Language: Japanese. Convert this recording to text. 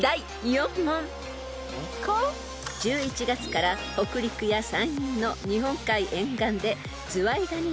［１１月から北陸や山陰の日本海沿岸で］